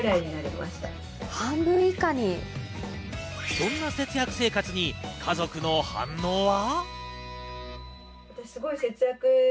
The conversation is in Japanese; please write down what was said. そんな節約生活に家族の反応は？